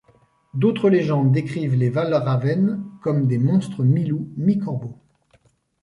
D'autres légendes décrivent les valraven comme des monstres mi-loup mi-corbeaux.